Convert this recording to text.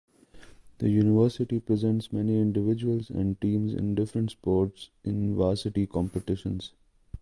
The university presents many individuals and teams in different sports in varsity competitions.